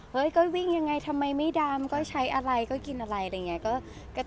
ก็วิ่งยังไงทำไมไม่ดำก็ใช้อะไรก็กินอะไรอะไรอย่างนี้